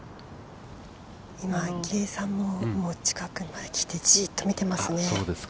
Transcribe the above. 明愛さんも近くに来てじっと見ていますね。